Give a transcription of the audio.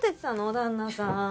旦那さん